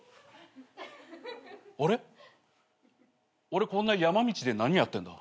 俺こんな山道で何やってんだ？